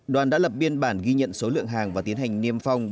đoàn đã lập biên bản ghi nhận số lượng hàng và tiến hành niêm phong